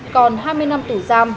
còn hai mươi năm tù giam